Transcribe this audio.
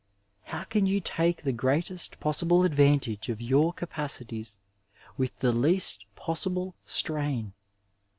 How can you take the greatest possible advantage of your capacities with the least possible strain